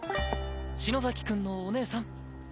篠崎くんのお姉さん。